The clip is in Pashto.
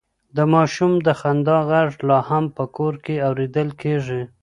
د ماشوم د خندا غږ لا هم په کور کې اورېدل کېږي.